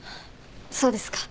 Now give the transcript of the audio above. そうですか。